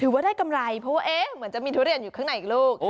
ว่าได้กำไรเพราะว่าเหมือนจะมีทุเรียนอยู่ข้างในอีกลูก